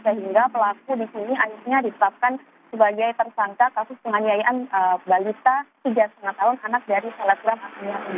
sehingga pelaku di sini akhirnya ditetapkan sebagai tersangka kasus penganiayaan balita tiga lima tahun anak dari selebgram ini